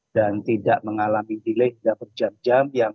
dan tidak mengalami delay tidak berjam jam